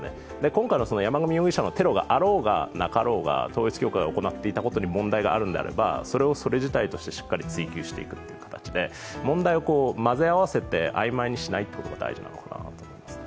今回の山上容疑者のテロがあろうが、なかろうが、統一教会が行っていたことに問題があるんであればそれをそれ自体としてしっかり追及していくという形で、問題を混ぜ合わせてあいまいにしないことが大事なのかなと思いますね。